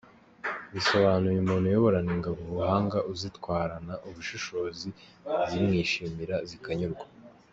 Bisobanuye umuntu uyoborana ingabo ubuhanga, uzitwarana ubushishozi zimwishimira, zikanyurwa.